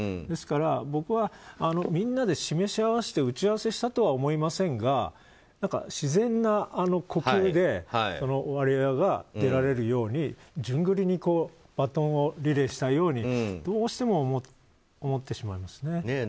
ですから僕はみんなで示し合わせて打ち合わせしたとは思いませんが自然な呼吸でワリエワが出られるように順繰りにバトンをリレーしたようにどうしても思ってしまいますね。